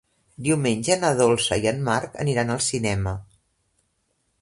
Diumenge na Dolça i en Marc aniran al cinema.